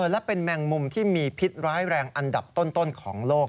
และเป็นแมงมุมที่มีพิษร้ายแรงอันดับต้นของโลก